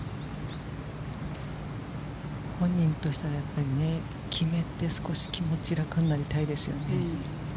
本人としたら、決めて少し気持ち楽になりたいですよね。